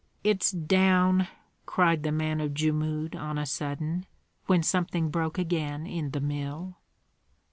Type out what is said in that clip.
"It's down!" cried the man of Jmud on a sudden, when something broke again in the mill.